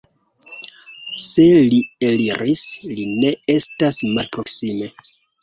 Se li eliris, li ne estas malproksime.